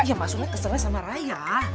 ya maksudnya keserah sama raya